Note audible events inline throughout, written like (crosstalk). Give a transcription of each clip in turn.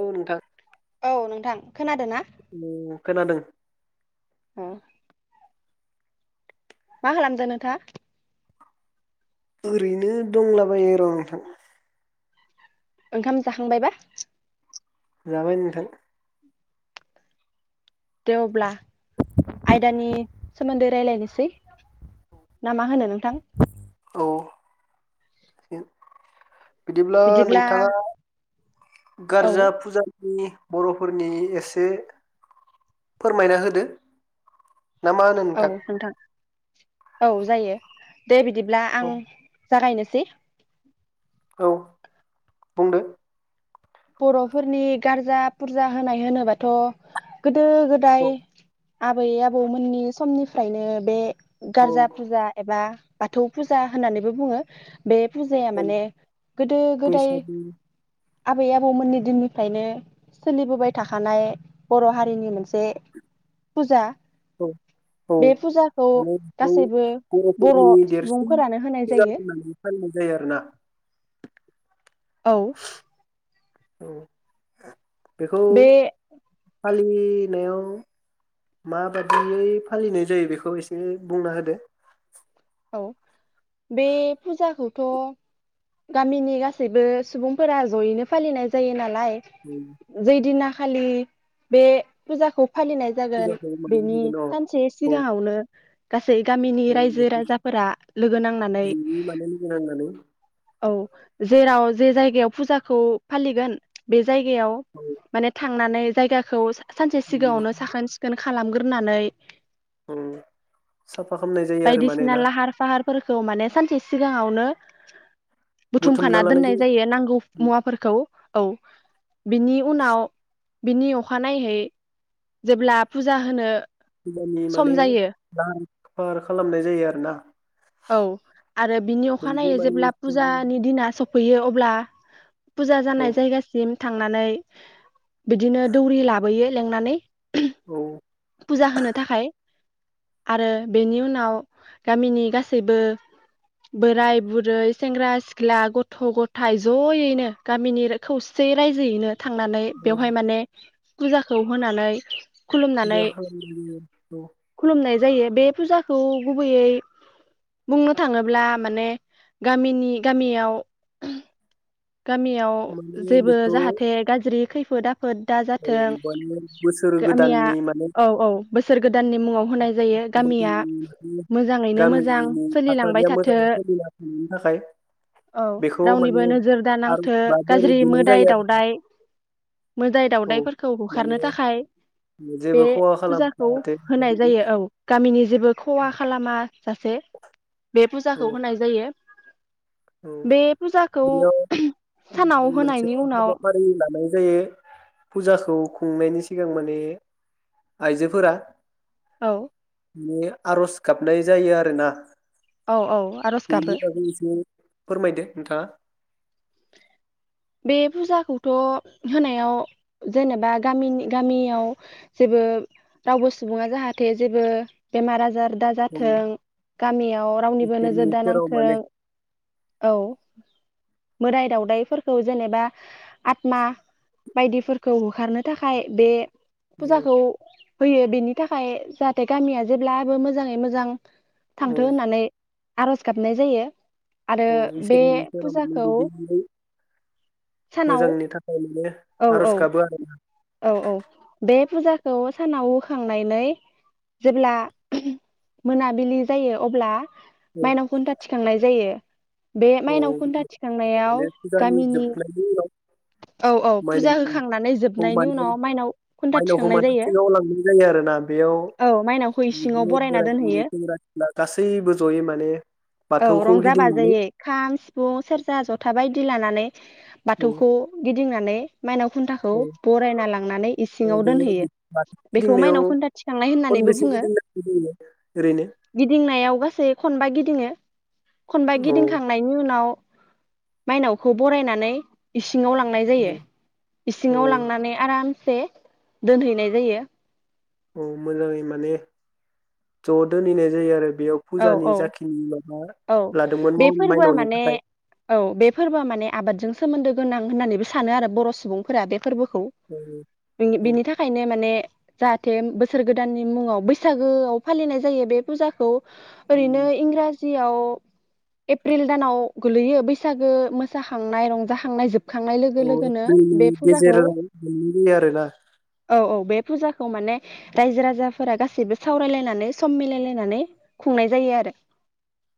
औ नोंथां औ नोंथां खोनादों ना? औ खोनादों। हम। मा खालामदों नोंथाङा? ओरैनो दंलाबायो र' नोंथां। ओंखाम जाखांबायबा? जाबाय नोंथां। दे अब्ला आयदानि सोमोन्दै राय्लायनोसै ना मा होनो नोंथां? औ। बिदिब्ला नोंथाङा औ गारजा फुजा नि बर'फोरनि एसे फोरमायना होदो। ना मा होनो नोंथां? औ जायो। दे बिदिब्ला आं औ जागायनोसै। औ बुंदो बर'फोरनि गारजा फुरजा होनाय होनोबाथ' गोदो-गोदाय औ आबै-आबौमोननि समनिफ्रायनो बे औ गारजा फुजा एबा बाथौ फुजा होननानैबो बुङो। बे फुजाया औ माने गोदो गोदाय बैसागु आबै आबौमोननि दिननिफ्रायनो सोलिबोबाय थाखानाय बर' हारिनि मोनसे फुजा। औ औ बे फुजाखौ माने बेखौ गासैबो बर' बर'फोरनि देरसिन सुबुंफोरानो होनाय फुजा जायो। होननानै फालिनाय जायो आरोना। औ औ। बेखौ बे फालिनायाव माबादियै फालिनाय जायो बेखौ एसे बुंना होदो। औ बे फुजाखौथ' गामिनि गासैबो सुबुंफोरा जयैनो फालिनाय जायो नालाय जैदिना खालि बे फुजाखौ फालिनाय जागोन फुजाखौ मानो बेनि होगोन अ सानसे औ सिगाङावनो सै गामिनि औ रायजो बेखौ राजा फोरा लोगो नांनानै जोंनि माने लोगो नांनानै औ जेराव जे जायगायाव फुजाखौ फालिगोन बे जायगायाव औ माने था थांनानै जायगाखौ सानसे सिगाङावनो साखोन सिखोन खा खालामगोरनानै साफा खालामनाय जायो आरो माने ना लाहार फाहार फोरखौ माने सानसे सिगाङावनो बुथुमना बुथुमखाना लानाय दोननाय जायो नांगौ मुवाफोरखौ। औ बिनि उनाव बिनि अखानाहै जेब्ला फुजा होनो फुजानि सम माने जायो (unintelligible) फाहार खालामनाय जायो आरोना। औ आरो बिनि अखानायै माने जेब्ला फुजानि औ दिना स फैयो अब्ला फुजा औ जानाय जायगासिम थांनानै बिदिनो दौरि लाबोयो लेंनानै। औ फुजा होनो थाखाय। आरो बेनि उनाव गामिनि गास गासैबो बोराय बुरै सेंग्रा सिख्ला गथ' गथाय ज'यैनो गामिनि खौसे रायजोयैनो थांनानै बेवहाय माने फुजाखौ होनानै खुलुमनानै खुलुमनाय (unintelligible) जायो बे फुजाखौ गुबैयै बुंनो थाङोब्ला माने गामिनि गामियाव गामियाव माने जेबो बेखौ जाहाथे गाज्रि खै फोदा फोद औ दाजाथों माने बोसोर गामिया गोदाननि माने औ औ बोसोर गोद दाननि मुङाव होनाय जायो गामिया मोजाङैनो मोजां गामिनि सोलिलांबाय थासारिया थाथो मोजाङै सोलिना थानायनि थाखाय औ बेखौ माने रावनिबो नोजोर आरज दानांथो बा बोर गाज्रि बिनाय मोदाइ जायो दाउदाइ मोदाइ आरो औ दावउदाइफोरखौ होखारनो माने थाखाय बे जेबो खहा खालामा फुजाखौ जाहाथे हो होनाय जायो औ गामिनि जेबो खहा खालामा सासे बे औ फुजाखौ होनाय जायो। औ बे फुजाखौ बेयाव सानाव मोनसे होनायनि उनाव हाबाफारि लानाय जायो फुजाखौ खुंनायनि सिगां माने आइजोफोरा औ माने आर'ज गाबनाय जायो आरोना। औ औ आर'ज बेनि गाबो। बागै एसे फोरमायदो नोंथाङा। बे फुजाखौथ' होनायाव जेनेबा गामिनि गामियाव जेबो रावबो सुबुङा जाहाथे जेबो बेमार आजार दा औ जाथों गामियाव रावनिबो इसोरनि नोजोर सेराव दानांथों माने औ मोदाइ दावउदाइफोरखौ जेनेबा आत्मा बायदिफोरखौ होखारनो थाखाय बे औ फुजाखौ होयो बेनि थाखाय जाहाथे गामिया जेब्लाबो मोजाङै मोजां थांथो औ होननानै आर'ज गाबनाय जायो। आरो औ बे इसोरनि सेराव माने फुजाखौ (unintelligible) सानाव मोजांनि थाखाय माने औ औ आर'ज गाबो औ औ बे बे फुजाखौ सानाव होखांनानै जेब्ला मोनाबिलि जायो अब्ला आरोना माइनाव खुन्था थिखांनाय जायो। बे औ माइनाव खुनथा माने थिखांनायाव फुजानि गामिनि जोबनायनि उनाव औ औ फुजा माइनावखौ होखांनानै जोबनायनि माने उनाव माइनाव खुन्था माइनावखौ थिखांनाय माने जायो। सिङाव लांनाय जायो आरो ना? बेयाव औ माइनावखौ इसिङाव बिदिनो बरायना बोराय बुरै दोनहैयो सेंग्रा सिख्ला गासैबो जयै माने औ बाथौखौ रंजा गिदिंनानै बाजायै खाम सिफुं सेरजा जथा बायदि लानानै। औ बाथौखौ गिदिंनानै माइनाव खुन्थाखौ औ बरायना लांनानै औ इसिङाव बे दोनहैयो बाथौ बेखौ गिदिंनायाव माइनाव खुन्था थिखांनाय होननानै खनबेसे बुङो गिदिंनांगौ जायो ओरैनो गिदिंनायाव गासै खनबा गिदिङो खनबा औ गिदिंखांनायनि उनाव माइनावखौ बरायनानै इसिं इसिङाव लांनाय जायो औ इसिङाव लांनानै आराम से दोनहैनाय जायो। औ मोजाङै माने ज' दोनहैनाय जायो आरो। बेयाव औ फुजानि औ जाखिनि माबा औ लादोंमोन बे माव फोरबोआ माइनावनि माने थाखाय औ बे फोरबोआ माने आबादजों सोमोन्दो गोनां होननानैबो सानो आरो बर' सुबुंफोरा बेफोरबो खौ औ औ बिनि थाखायनो माने जाहाथे बोसोर गोदाननि मुङाव बैसागोआव फालिनाय जायो बे फुजाखौ। ओरैनो इंराजि आव एप्रिल दानाव गोलैयो बैसागो मोसाखांनाय रंजाखांनाय जोब एप्रिलनि गेजेराव गोलैबाय आरोना। औ बे फुजाखौ माने रायजो राजाफोरा गासैबो सावरायलायनानै सम मिलायलायनानै खुंनाय जायो आरो।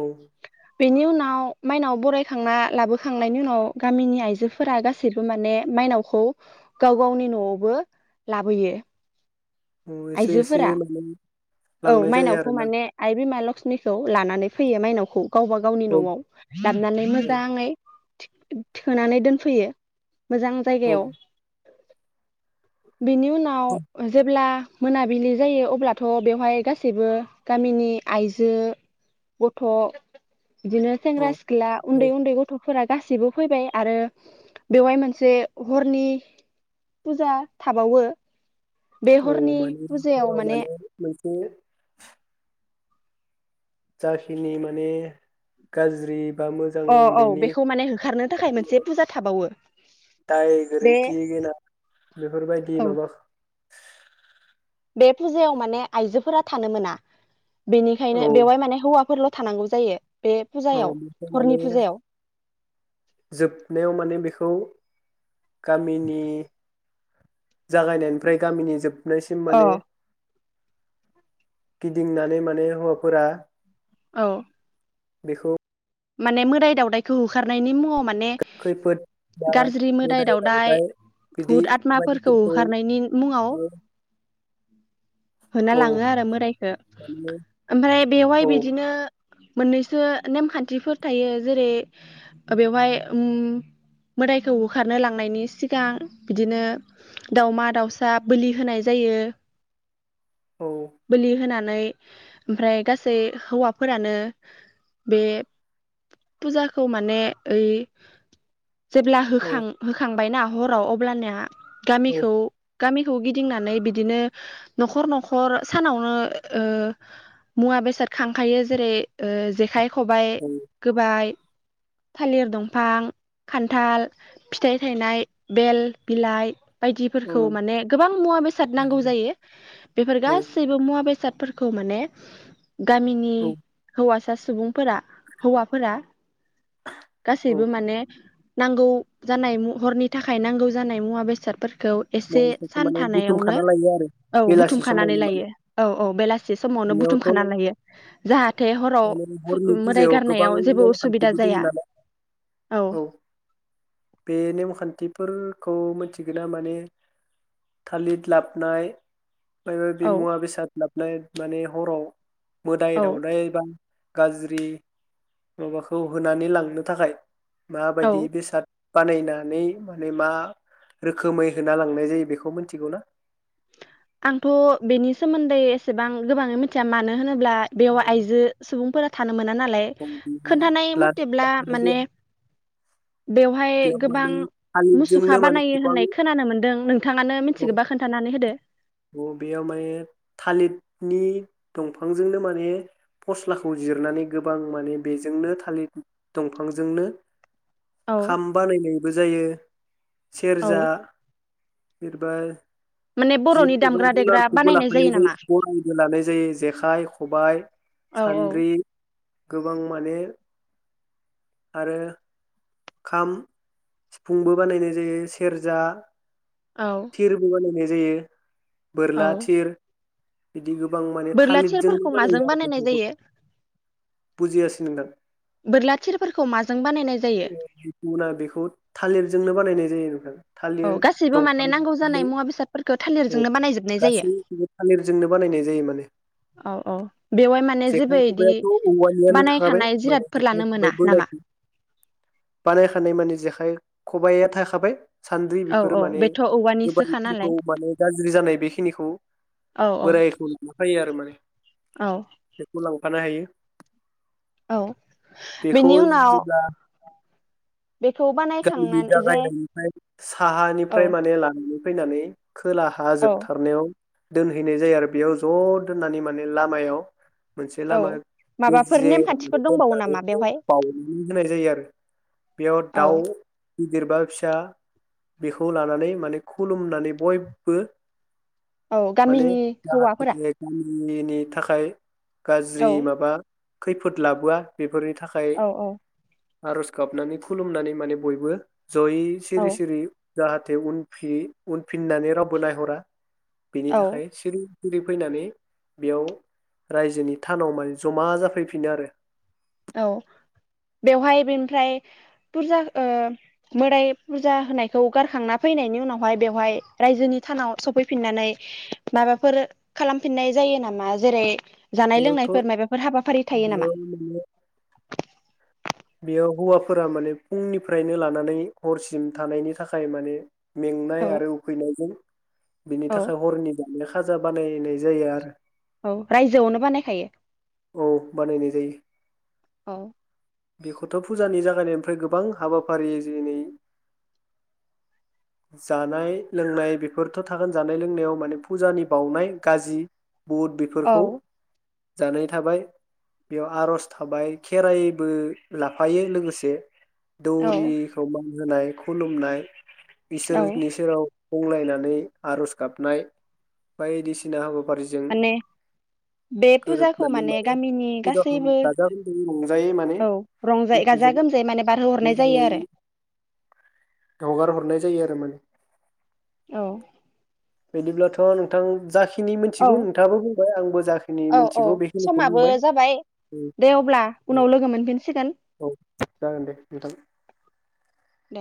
औ। बेनि उनाव माइनाव बरायखांना लाबोखांनायनि उनाव गामिनि आइजोफोरा गासैबो माने माइनावखौ गाव गावनि न'आवबो लाबोयो। औ एसे एसे आइजोफोरा लां लांनाय औ लांनाय जायो माइनावखौ आरोना। माने आइ बिमा लक्ष्मिखौ लानानै फैयो माइनावखौ। गावबा गावनि औ न'आव लाबनानै औ मोजाङै थोनानै दोनफैयो। मोजां औ जायगायाव बिनि उनाव जेब्ला मोनाबिलि जायो अब्लाथ' बेवहाय गासैबो गामिनि नि आइजो गथ' बिदिनो सेंग्रा औ सिख्ला औ उन्दै उन्दै गथ' फोरा गासिबो फैबाय आरो बेवहाय मोनसे हरनि फुजा थाबावो। बे औ हरनि माने फुजायाव हराव माने मोन से जाखिनि माने गाज्रि बा मोजां अ औ बेनि बेखौ माने होखारनो थाखाय मोनसे फुजा थाबावो दाय बे गोरोन्थि गोनां बेफोरबायदि औ माबा बे फुजायाव माने आइजोफोरा थानो मोना। औ बेनिखायनो बेवहाय माने हौवाफोरल' थानांगौ जायो। बे औ फुजायाव बेखौ हरनि माने फुजायाव जोबनायाव माने बेखौ गामिनि जागायनायनिफ्राय गामिनि जोब नायसिम अ माने गिदिंनानै माने हौवाफोरा औ बेखौ माने मोदाय दावदायखौ होखारनायनि मुङाव माने खैफोद बा गारज्रि मोदाय दावदाय बिदि भुत आत्माफोरखौ बायदिफोरखौ होखारनायनि मुङाव माने होना औ लाङो आरो मोदायखौ माने ओमफ्राय बेवहाय औ बिदिनो मोननैसो नेमखान थिफोर थायो जेरै ओ बेवहाय उम मोदायखौ होखारनो लांनायनि सिगां बिदिनो दावमा दाउसा बोलि होनाय जायो। औ बोलि होना नै ओमफ्राय गासै हौवाफोरानो बे फुजाखौ माने ओइ जेब्ला होखां औ होखांबायना हराव अब्लानिया औ गामिखौ गामिखौ गिदिंनानै बिदिनो न'खर न'खर सानावनो ओ मुवा बेसाद खांखायो जेरै जेखाय खबाइ होबाय थालिर दंफां, खान्थाल, फिथाइ थायनाय बेल बिलाइ बायदिफोरखौ औ माने गोबां मुवा बेसाद नांगौ जायो बेफोर औ गासैबो मुवा बेसाद फोरखौ माने गामिनि औ हौवासा सुबुंफोरा हौवाफोरा औ गासैबो माने नांगौ जानाय मु हरनि थाखाय नांगौ जानाय मुवा बेसादफोर खौ एसे बयनिफ्रायबो सान माने थानायावनो बुथुमखाना लायो आरो औ बेलासि बुथुमखानानै समावनो माने लायो औ औ बेलासि समावनो बेयावथ' बुथुमखानानै लायो जाहाथे हराव माने फु हरनि मोदाय फुजायाव गोबां गारनायाव जेबो उसुबिदा नेमखान्थिबो दं जाया नालाय औ बे नेमखान्थिफो फोरखौ मिनथिगोना माने थालिद लाबनाय माइबा बि औ मुवा बेसाद लाबनाय माने हराव मोदाय औ दाउदाय बां गाज्रि माबाखौ होनानै लांनो थाखाय औ माबायदि बेसाद बानायनानै माने मा रोखोमै होना लांनाय जायो बेखौ मोनथिगौ ना? आंथ' बेनि सोमोन्दै एसेबां गोबाङै मिथिया मानो होनो ब्ला बेयाव आइजो सुबुंफोरा थानो मोना नालाय खोन्थानाय लानाय मथेब्ला माने जाया बेवहाय बेयाव गोबां माने थालिरजोंनो मुसुखा माने बानायो गोबां होननाय खोनानो मोनदों नोंथाङानो मिनथिगौबा खोन्थानानै होदो। औ बेयाव माने थालिदनि दंफांजोंनो माने फस्लाखौ जिरनानै गोबां माने बेजोंनो थालिद दंफांजोंनो औ खाम बानायनायबो जायो औ सेरजा बिरबाय माने बर'नि जिब एबा दामग्रा देग्रा जुनारखौबो बानायनाय लाखानाय जायो नामा गराइबो लानाय जायो जेखाइ, खबाय, औ औ सान्द्रि गोबां माने आरो खाम सिफुंबो बानायनाय जायो सेरजा औ थिरबो बानायनाय जायो। औ बोरला थिर बिदि गोबां माने बोरला थालिरजोंनो थिरफोरखौ बानायो माजों आरो बानायनाय बेफोरखौ जायो बुजियासै नोंथां बोरला थिरफोरखौ माजों बानायनाय जायो गुबुना बेखौ थालिरजोंनो बानायनाय जायो नोंथां। थालिर औ गासैबो माने नांगौ दंफां जानाय मुवा बेसादफोरखो औ गासैबो थालिरजोंनो बानायनाय जायो माने। औ औ बेवहाय माने जेबो जेखाइ इदि खबाइयाथ' औवानियानो बानायखानाय थाखाबाय जिरादफोर लानो जेखाइ मोना खबाइ नामा? बोरायखौ बानायखानाय माने जेखाइ फाय खबाइया थाखाबाय। सान्द्रि औ बेफोर औ माने बेथ' गोबां औवानिसोखा नालाय गोबाव माने गाज्रि जानाय बेखिनिखौ औ औ बोरायखौ मोनखायो आरो माने। औ बेखौ लां फानो हायो। औ बेखौ बिनि उनाव जेब्ला बेखौ गामिनि बानायखांनानै जे जागायनायनिफ्राय औ साहानिफ्राय माने लानानै फैनानै खोलाहा औ जोबथारनायाव दोनहैनाय जायो आरो बेयाव ज' दोननानै माने लामायाव मोनसे औ लामा माबाफोर गेजेराव नेमखान्थिफोर दोननानै दंबावो नामा माने बेवहाय बाउनानै होनाय जायो आरो बेया औ दाउ गिदिर बा फिसा बेखौ लानानै माने खुलुमनानै बयबो औ गामिनि हौवाफोरा? निनि थाखाय गाज्रि औ माबा खैफोद लाबोआ बेफोरनि थाखाय औ औ आरज गाबनानै फु खुलुमनानै माने बयबो जयै औ सिरि सिरि जाहाथे उन फि उनफिननानै रावबो नायहरा बेनि औ थाखाय सिरि सिरि फैनानै बेयाव रायजोनि थानाव माने जमा जाफैफिनो आरो। औ बेवहाय बेनिफ्राय फुरजा ओ मोदाय फुरजा होनायखौ गारखांना फैनायनि उनावहाय बेवहाय रायजोनि थानाव सफैफिननानै माबाफोर खालामफिननाय जायो नामा? जेरै- जानाय बेयावथ' लोंनायफोर माबाफोर हाबाफारि थायो नामा? बेयाव माने बेयाव हौवाफोरा माने फुंनिफ्रायनो लानानै हरसिम थानायनि थाखाय माने औ मेंनाय आरो उखैनायजों बिनि औ थाखाय हरनि बिदिनो खाजा बानायनाय जायो आरो। औ रायजोआवनो बानायखायो? औ बानायनाय जायो। औ बेखौथ' फुजानि जागाय नायनिफ्राय गोबां हाबाफारि जेनै जानाय लोंनाय बेफोरथ' थागोन जानाय लोंनायाव माने फुजानि बाउनाय गाजि बुद औ बेफोरखौ जानाय थाबाय बेयाव आर'ज थाबाय खेराइबो लाफायो लोगोसे। औ दौरि (unintelligible) होनाय खुलुमनाय औ इसोरनि सेराव गंग्लायनानै आर'ज गाबनाय बायदिसिना हाबा माने बे फुजाखौ माने गामिनि फुजाखौ गासैबो गाजा गोमजायै रंजायै माने औ रंजा गाजा गोसोजों गोमजायै माने बारहो हरनाय मोजाङै जायो आरो। हगार हरनाय जायो आरो माने। औ बिदिब्लाथ' नोंथां जाख खिनि औ मोनथिगौ नोंथाङाबो बुंबाय आंबो जाखिनि औ औ मिनथिगौ बेखिनिखौ समाबो बुंबाय जाबाय दे अब्ला उनाव लोगो मोनफिनसिगोन औ जागोन दे नोंथां। दे